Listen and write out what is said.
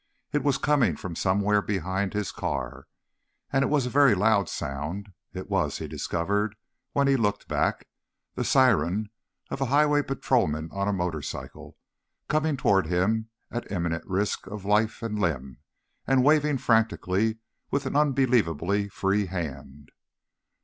It was coming from somewhere behind his car, and it was a very loud sound. It was, he discovered when he looked back, the siren of a highway patrolman on a motorcycle, coming toward him at imminent risk of life and limb and waving frantically with an unbelievably free hand.